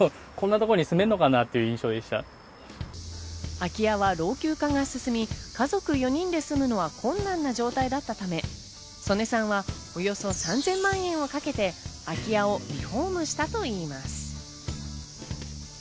空き家は老朽化が進み、家族４人で住むのは困難な状態だったため、曽根さんはおよそ３０００万円をかけて空き家をリフォームしたといいます。